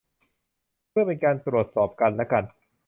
เพื่อเป็นการตรวจสอบกันและกัน